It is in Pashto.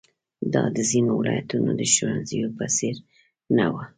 دا د ځینو ولایتونو د ښوونځیو په څېر نه وه.